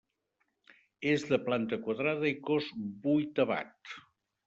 És de planta quadrada i cos vuitavat.